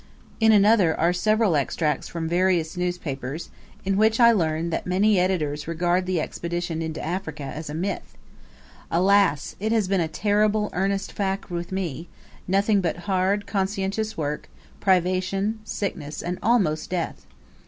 In another are several extracts from various newspapers, in which I learn that many editors regard the Expedition into Africa as a myth. Alas! it has been a terrible, earnest fact with me; nothing but hard, conscientious work, privation, sickness, and almost death.